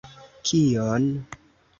Kion!